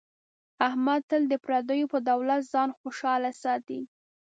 احمد تل د پردیو په دولت ځان خوشحاله ساتي.